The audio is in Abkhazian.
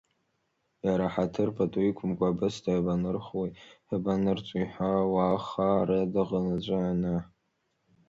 Иара ҳаҭыр-пату иқәымкәа, абысҭа иабанырхуеи иабанырҵои ҳәа, уаха ара дыҟан, уаҵәы ана.